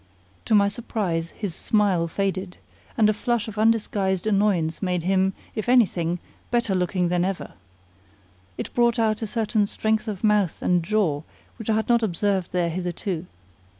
To my surprise his smile faded, and a flush of undisguised annoyance made him, if anything, better looking than ever. It brought out a certain strength of mouth and jaw which I had not observed there hitherto.